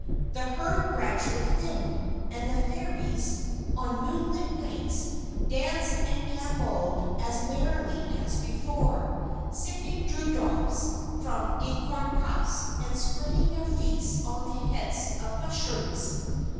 The herd gradually thinned, and the Fairies, on moonlit nights, danced and gambolled as merrily as before, sipping dew drops from acorn cups, and spreading their feasts on the heads of mushrooms.